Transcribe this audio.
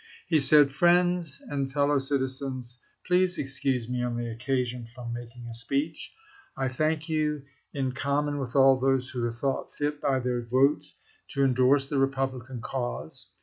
He said : Friends and fellow citizens, please excuse me on this occasion from making a speech. I thank you in common with all those who have thought fit by their votes to indorse the Republican cause.